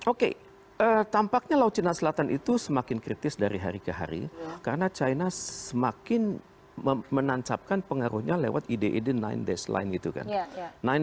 oke tampaknya laut cina selatan itu semakin kritis dari hari ke hari karena cina semakin menancapkan pengaruhnya lewat idid sembilan dash line itu kan